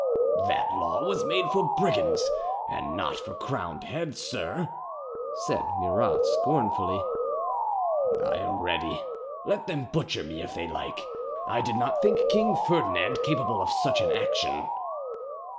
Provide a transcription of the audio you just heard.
"That law was made for brigands, and not for crowned heads, sir," said Murat scornfully. "I am ready; let them butcher me if they like. I did not think King Ferdinand capable of such an action."